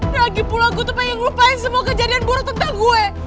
lagi pula gue tuh pengen lupain semua kejadian buruk tentang gue